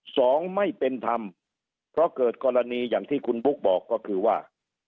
สองไม่เป็นธรรมเพราะเกิดกรณีอย่างที่คุณบุ๊คบอกก็คือว่า